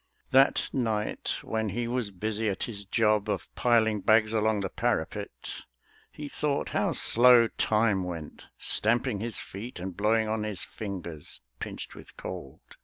That night, when he was busy at his job Of piling bags along the parapet, He thought how slow time went, stamping his feet, And blowing on his fingers, pinched with cold.